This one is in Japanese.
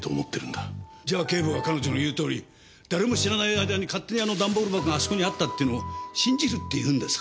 じゃあ警部は彼女の言うとおり誰も知らない間に勝手にあの段ボール箱があそこにあったっていうのを信じるっていうんですか？